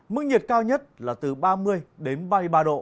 mức nhiệt cao nhất là từ ba mươi đến ba mươi ba độ